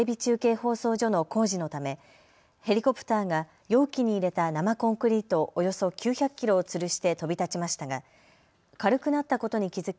放送所の工事のためヘリコプターが容器に入れた生コンクリートおよそ９００キロをつるして飛び立ちましたが軽くなったことに気付き